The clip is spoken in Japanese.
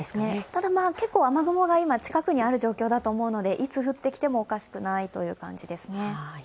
ただ、結構、雨雲が近くにある状況だと思うのでいつ降ってきてもおかしくないという感じですね。